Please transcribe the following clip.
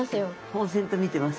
ぼう然と見てます。